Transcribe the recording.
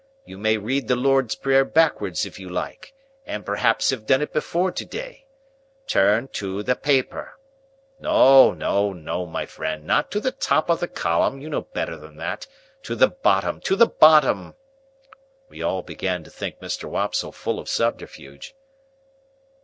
You may read the Lord's Prayer backwards, if you like,—and, perhaps, have done it before to day. Turn to the paper. No, no, no my friend; not to the top of the column; you know better than that; to the bottom, to the bottom." (We all began to think Mr. Wopsle full of subterfuge.)